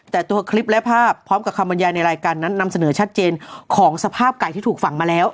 แต่ตัวคลิปและภาพพร้อมกับคำบรรยายในรายการนั้นนำเสนอชัดเจนของสภาพไก่ที่ถูกฝังมาแล้ว